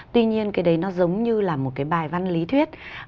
tuy nhiên cái đấy nó giống như là một cái bài văn lý thuyết